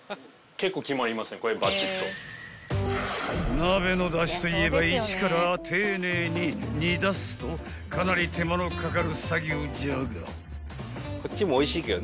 ［鍋のだしといえば一から丁寧に煮出すとかなり手間のかかる作業じゃが］